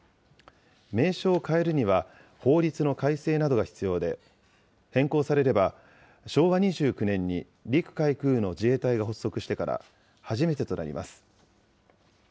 名称を変えるには、法律の改正などが必要で、変更されれば、昭和２９年に陸海空の自衛隊が発足してから初めてとなります。